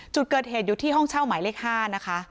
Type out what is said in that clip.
จุดเกิดเหตุอยู่ที่ห้องเช่าหมายเลข๕นะคะ